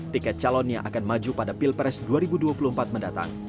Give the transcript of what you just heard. tiket calon yang akan maju pada pilpres dua ribu dua puluh empat mendatang